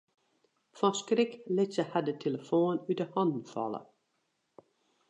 Fan skrik lit se har de telefoan út 'e hannen falle.